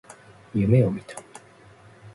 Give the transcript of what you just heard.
夢を見た。